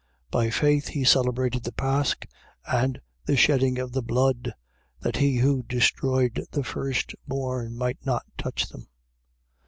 11:28. By faith he celebrated the pasch and the shedding of the blood: that he who destroyed the firstborn might not touch them.